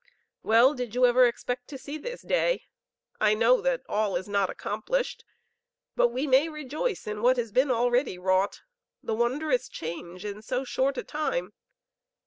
Well, did you ever expect to see this day? I know that all is not accomplished; but we may rejoice in what has been already wrought, the wondrous change in so short a time.